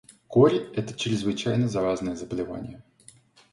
Корь это чрезвычайно заразное заболевание.